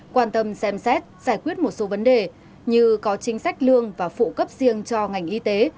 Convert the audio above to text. quan tâm xem xét giải quyết một số vấn đề như có chính sách lương và phụ cấp riêng cho ngành y tế